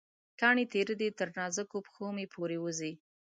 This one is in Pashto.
کاڼې تېره دي، تر نازکو پښومې پورې وځي